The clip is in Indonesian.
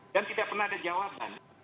dan tidak pernah ada jawaban